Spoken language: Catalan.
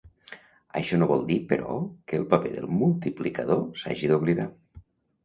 Això no vol dir, però, que el paper del multiplicador s'hagi d'oblidar.